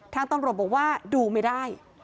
ทางตำรวจบอกว่าดูไม่ได้